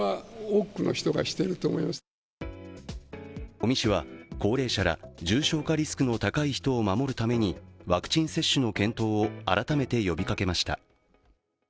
尾身氏は、高齢者ら重症化リスクの高い人を守るためにワクチン接種の検討を改めて呼びかけました。